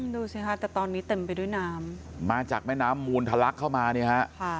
ดูสิคะแต่ตอนนี้เต็มไปด้วยน้ำมาจากแม่น้ำมูลทะลักเข้ามาเนี่ยฮะ